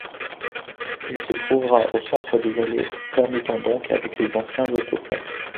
Il se trouvera au centre des allées, permutant donc avec les anciens autoponts.